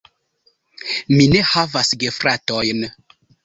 Mi ne havas gefratojn.